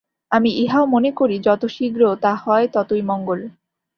আমি ইহাও মনে করি, যত শীঘ্র তা হয়, ততই মঙ্গল।